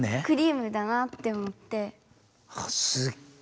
クリームだなって思って。